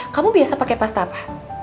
kamu biasa pakai pasta apa